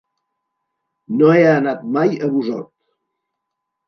No he anat mai a Busot.